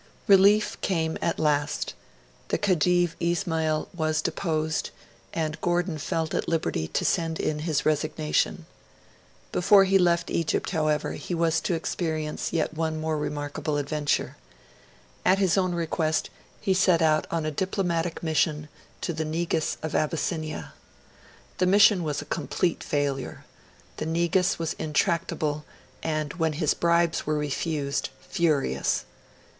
Relief came at last. The Khedive Ismail was deposed; and Gordon felt at liberty to send in his resignation. Before he left Egypt, however, he was to experience yet one more remarkable adventure. At his own request, he set out on a diplomatic mission to the Negus of Abyssinia. The mission was a complete failure. The Negus was intractable, and, when his bribes were refused, furious.